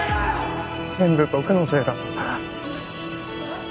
全部僕のせいだ